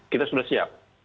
kita sudah siap